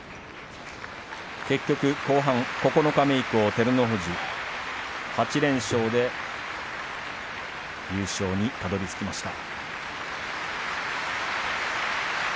結局、後半九日目以降は８連勝優勝にたどりつきました。